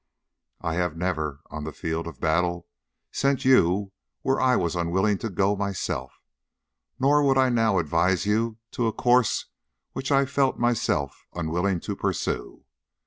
_ _I have never, on the field of battle, sent you where I was unwilling to go myself; nor would I now advise you to a course which I felt myself unwilling to pursue.